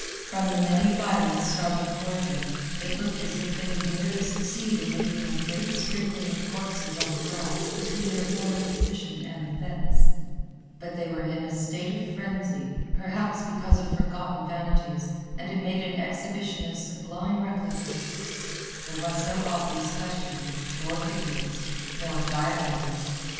From the many firings starting toward them, it looked as if they would merely succeed in making a great sprinkling of corpses on the grass between their former position and the fence. But they were in a state of frenzy, perhaps because of forgotten vanities, and it made an exhibition of sublime recklessness. There was no obvious questioning, nor figurings, nor diagrams.